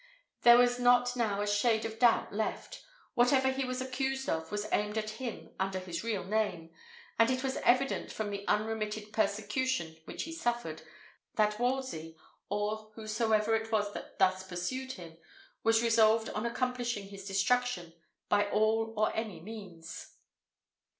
There was not now a shade of doubt left: whatever he was accused of was aimed at him under his real name; and it was evident, from the unremitted persecution which he suffered, that Wolsey, or whosoever it was that thus pursued him, was resolved on accomplishing his destruction by all or any means.